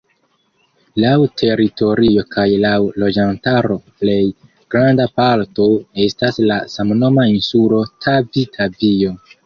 Laŭ teritorio kaj laŭ loĝantaro plej granda parto estas la samnoma insulo Tavi-Tavio.